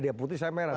dia putih saya merah